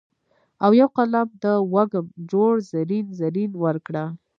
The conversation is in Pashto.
او یو قلم د وږم جوړ زرین، زرین ورکړه